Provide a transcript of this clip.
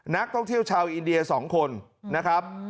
นักท่องเที่ยวชาวอินเดีย๒คนนะครับ